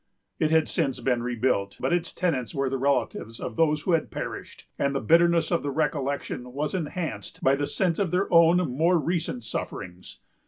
It had since been rebuilt; but its tenants were the relatives of those who had perished, and the bitterness of the recollection was enhanced by the sense of their own more recent sufferings.